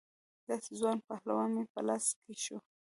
داسې ځوان پهلوان مې په لاس کې شو.